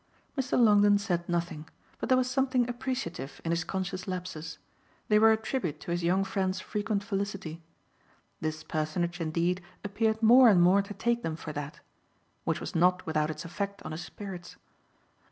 Mr. Longdon said nothing, but there was something appreciative in his conscious lapses; they were a tribute to his young friend's frequent felicity. This personage indeed appeared more and more to take them for that which was not without its effect on his spirits.